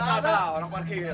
tidak ada orang parkir